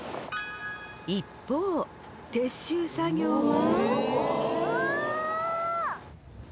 一方撤収作業はうわ。